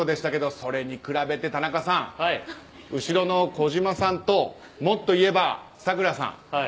それに比べて田中さん後ろの児嶋さんともっと言えば、咲楽さん。